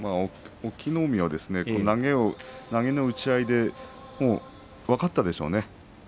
隠岐の海は投げの打ち合いで分かったでしょうね